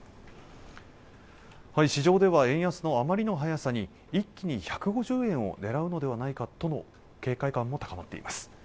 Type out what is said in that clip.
市場では円安のあまりの早さに一気に１５０円を狙うのではないかとの警戒感も高まっています